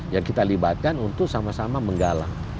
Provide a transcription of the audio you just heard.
yang kita libatkan untuk sama sama menggalang